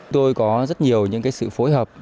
tôi có rất nhiều những sự phối hợp